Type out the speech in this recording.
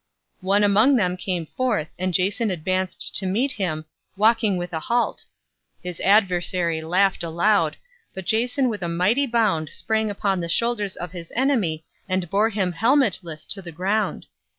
One among them came forth and Jason advanced to meet him, walking with a halt. His adversary laughed aloud, but Jason with a mighty bound sprang upon the shoulders of his enemy and bore him helmetless to the ground.